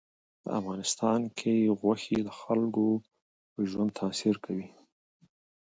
په افغانستان کې غوښې د خلکو پر ژوند تاثیر کوي.